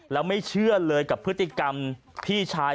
แล้วไม่เชื่อเลยกับพฤติกรรมพี่ชาย